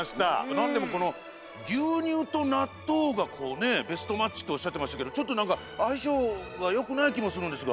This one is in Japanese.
なんでもこのぎゅうにゅうとなっとうがこうねベストマッチっておっしゃってましたけどちょっとなんかあいしょうがよくないきもするんですが。